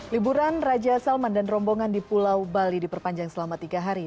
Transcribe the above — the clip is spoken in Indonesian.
liburan raja salman dan rombongan di pulau bali diperpanjang selama tiga hari